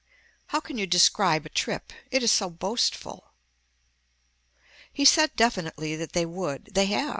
How can you describe a trip. It is so boastful. He said definitely that they would. They have.